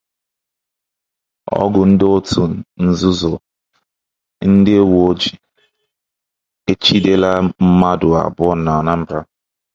Ọgụ Ndị Otu Nzuzo: Ndị Uweojii Ejidela Mmadụ Abụọ n'Anambra